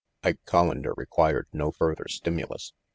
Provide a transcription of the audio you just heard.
Ike Collander required no further stimulus.